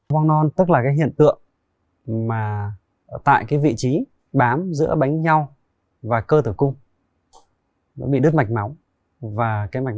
bong non tức là hiện tượng tại vị trí bám giữa bánh nhau và cơ tử cung nó bị đứt mạch máu và mạch